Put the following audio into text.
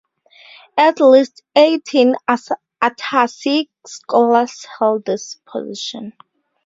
At least eighteen Atassi scholars held this position.